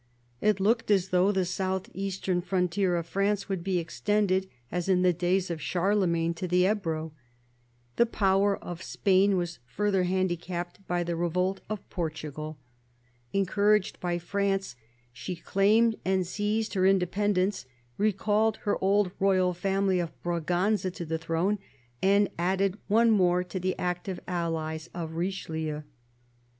It looked as though the south eastern frontier of France would be extended, as in the days of Charlemagne, to the Ebro. The power of Spain was furthered handicapped by the revolt of Portugal. Encouraged by France, she claimed and seized her inde pendence, recalled her old royal family of Braganza to the throne, and added one more to the active allies of Richelieu.